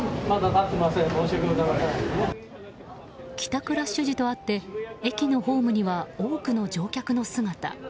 帰宅ラッシュ時とあって駅のホームには多くの乗客の姿。